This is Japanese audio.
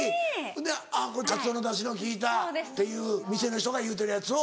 で「これカツオのダシの効いた」っていう店の人が言うてるやつを。